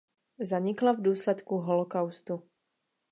Zanikla v důsledku holocaustu.